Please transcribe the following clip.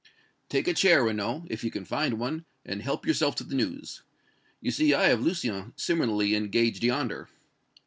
"Take a chair, Renaud, if you can find one, and help yourself to the news. You see I have Lucien similarly engaged yonder."